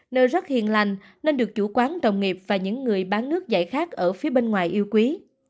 nơi rất hiền lành nên được chủ quán đồng nghiệp và những người bán nước giải khác ở phía bên ngoài yêu quý